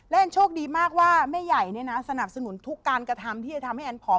และแอนโชคดีมากว่าแม่ใหญ่เนี่ยนะสนับสนุนทุกการกระทำที่จะทำให้แอนผอม